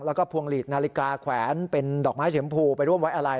แล้วก็พวงหลีดนาฬิกาแขวนเป็นดอกไม้สีชมพูไปร่วมไว้อะไร